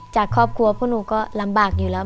จากครอบครัวพวกหนูก็ลำบากอยู่แล้ว